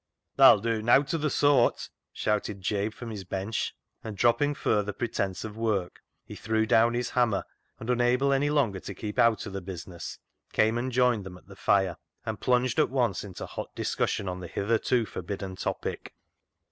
" Tha'll dew nowt o' th' sooart," shouted Jabe from his bench ; and, dropping further pretence of work, he threw down his hammer, and, unable any longer to keep out of the business, came and joined them at the fire, and plunged at once into hot discussion on the hitherto forbidden topic.